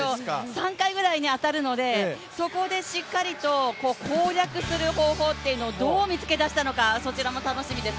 ３回ぐらい当たるので、そこでしっかりと攻略する方法をどう見つけだしたのか、そちらも楽しみです。